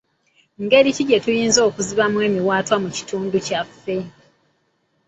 Ngeri ki gye tuyinza okuzibamu emiwaatwa mu kitundu kyaffe?